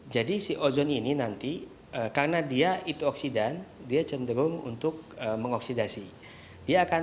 jadi si ozon ini nanti karena dia itu oksidan dia cenderung untuk mengoksidasi